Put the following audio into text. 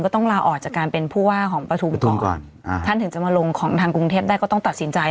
ก็ต้องดูกันนะกูจะเป็นยังไงกันต่อไป